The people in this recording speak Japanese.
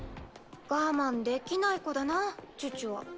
我慢できない子だなチュチュは。